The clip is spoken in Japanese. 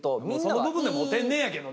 その部分でもう天然やけどな。